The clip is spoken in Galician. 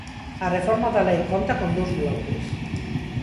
A reforma da lei conta con dous bloques.